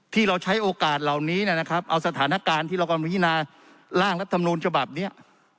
ที่เราใช้โอกาสเหล่านี้นะครับเอาสถานการณ์ที่เรากำลังพิจารณาร่างรัฐมนูลฉบับนี้